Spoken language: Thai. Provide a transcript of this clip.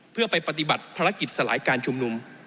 เพื่อไปปฏิบัติภารกิจสลายการชุมนุม